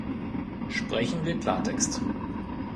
Sprechen wir Klartext.